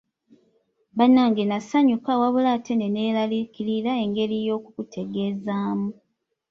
Bannange nasanyuka wabula ate ne neeraliikirira engeri y'okukutegeezaamu.